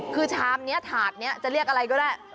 คือชามถาดจะเรียกอะไรก็ได้